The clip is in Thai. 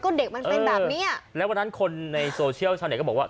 ก็เด็กมันเป็นแบบเนี้ยแล้ววันนั้นคนในโซเชียลชาวเน็ตก็บอกว่า